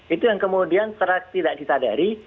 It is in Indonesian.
itu yang kemudian tidak disadari